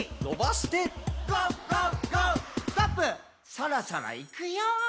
「そろそろいくよー」